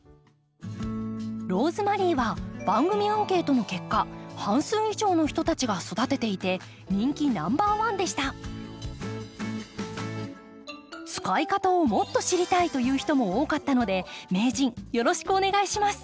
ローズマリーは番組アンケートの結果半数以上の人たちが育てていて使い方をもっと知りたいという人も多かったので名人よろしくお願いします。